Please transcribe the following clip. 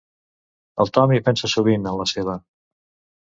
El Tom hi pensa sovint, en la seva.